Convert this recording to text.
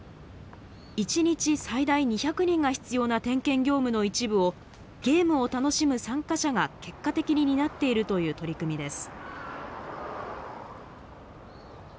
１日、最大２００人が必要な点検業務の一部をゲームを楽しむ参加者が結果的に担っているという取り組みです。